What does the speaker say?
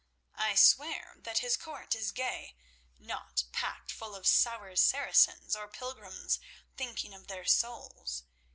I swear that his court is gay, not packed full of sour Saracens or pilgrims thinking of their souls.